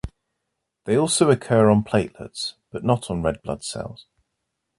They also occur on platelets, but not on red blood cells.